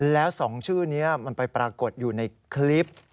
แล้ว๒ชื่อนี้มันไปปรากฏอยู่ในคลิป